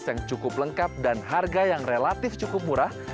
yang cukup lengkap dan harga yang relatif cukup murah